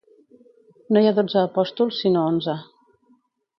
No hi ha dotze apòstols sinó onze.